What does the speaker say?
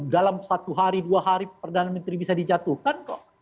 dalam satu hari dua hari perdana menteri bisa dijatuhkan kok